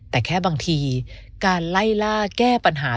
แต่แค่บางทีการไล่ล่าแก้ปัญหา